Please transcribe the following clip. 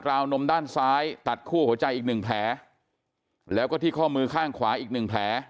วนมด้านซ้ายตัดคั่วหัวใจอีกหนึ่งแผลแล้วก็ที่ข้อมือข้างขวาอีกหนึ่งแผล